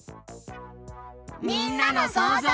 みんなのそうぞう。